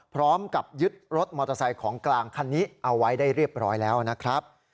พร้อมกับยึดรถมอเตอร์ไซค์ของกลางคันนี้เอาไว้ได้เรียบร้อยแล้วนะครับ